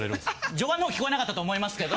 序盤の方聞こえなかったと思いますけど。